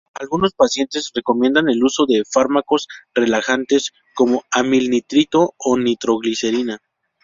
Algunos pacientes recomiendan el uso de fármacos relajantes como amil-nitrito o nitroglicerina.